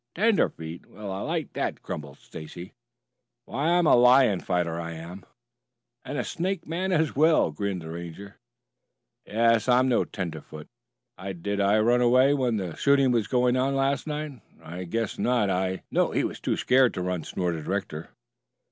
"Tenderfeet? Well, I like that!" grumbled Stacy. "Why, I'm a lion fighter, I am!" "And a snake man as well," grinned the Ranger. "Yes. I'm no tenderfoot. Did I run away when the shooting was going on last night? I guess not. I " "No, he was too scared to run," snorted Rector.